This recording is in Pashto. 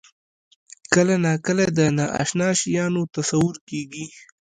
کله ناکله د نااشنا شیانو تصور کېږي.